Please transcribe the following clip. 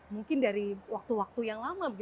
mungkin dari waktu waktu yang lama